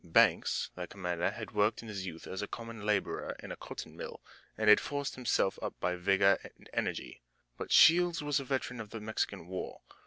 Banks, their commander, had worked in his youth as a common laborer in a cotton mill, and had forced himself up by vigor and energy, but Shields was a veteran of the Mexican War.